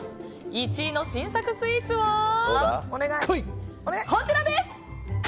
１位の新作スイーツはこちらです。